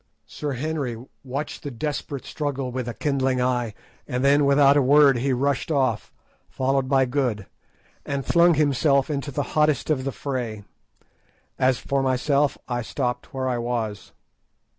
Sir Henry watched the desperate struggle with a kindling eye, and then without a word he rushed off, followed by Good, and flung himself into the hottest of the fray. As for myself, I stopped where I was.